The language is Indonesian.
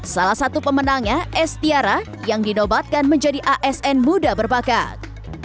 salah satu pemenangnya estiara yang dinobatkan menjadi asn muda berbakat